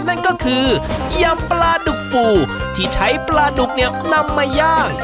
นั่นก็คือยำปลาดุกฟูที่ใช้ปลาดุกเนี่ยนำมาย่าง